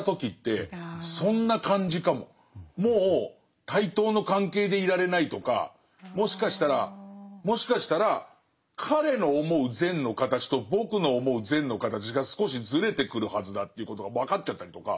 もう対等の関係でいられないとかもしかしたらもしかしたら彼の思う善の形と僕の思う善の形が少しずれてくるはずだということが分かっちゃったりとか。